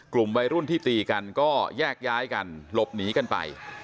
กลุ่มวัยรุ่นที่ตีกันก็แยกย้ายกันหลบหนีกันไป